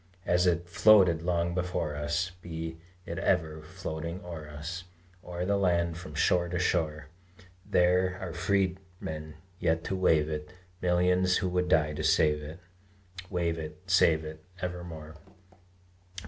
As it floated long before us, Be it ever floating o'er us, O'er our land from shore to shore: There are freemen yet to wave it, Millions who would die to save it, Wave it, save it, evermore.